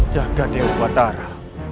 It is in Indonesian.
jahgat dewa batara